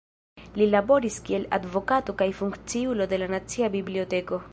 Li laboris kiel advokato kaj funkciulo de la Nacia Biblioteko.